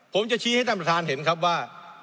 ผมจะชี้ให้ท่านประธานเห็นครับว่า